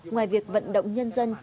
ngoài việc vận động nhân dân